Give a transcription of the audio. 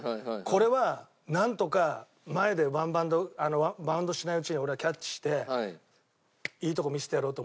これはなんとか前でワンバウンドバウンドしないうちに俺がキャッチしていいとこ見せてやろうと思ってバー